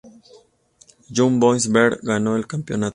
Young Boys Bern ganó el campeonato.